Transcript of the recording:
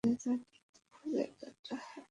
আমি জ্বালিয়ে দেবো জায়গাটা, হ্যাঁ।